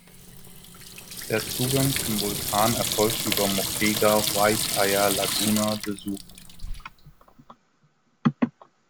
Der Zugang zum Vulkan erfolgt über Moquegua–Huaytire–Laguna de Suche.